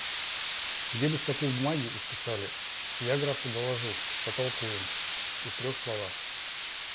Где бы стопу бумаги исписали, я графу доложу, потолкуем, и в трех словах.